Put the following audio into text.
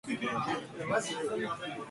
炫家军来也！